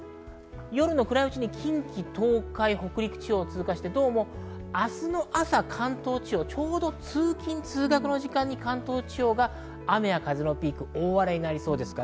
夜の暗いうちに近畿、東海、北陸地方を通過して、明日の朝は関東地方にちょうど通勤通学の時間帯に雨や風のピーク、大荒れになりそうです。